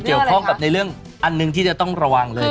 เกี่ยวข้องกับในเรื่องอันหนึ่งที่จะต้องระวังเลย